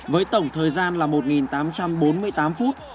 với tổng thời gian là một tám trăm bốn mươi tám phút